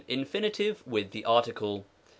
iNFIlOnVE WITH THE ArTICLE. 1.